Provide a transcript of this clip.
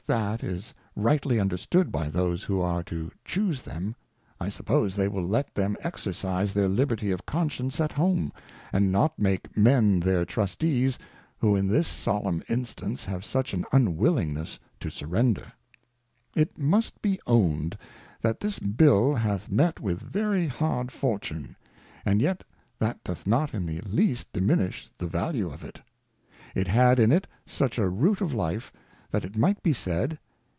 167 that is rightly understood hy those who are to chuse them, I suppose they will let them exercise their Liberty of Conscience at home, and not make Men their Trustees, who in this Solemn Instance have such an unwillingness to surrender. It must be own'd. That this Bill hath met with very hard Fortune^^^and yet that doth not in the least diminish the value of it. It had in it such a Root of Life, that it might be said.